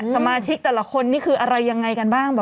สมาชิกแต่ละคนนี่คืออะไรยังไงกันบ้าง